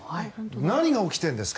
何が起きているんですか。